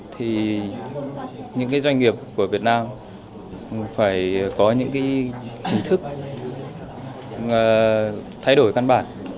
thì những doanh nghiệp của việt nam phải có những hình thức thay đổi căn bản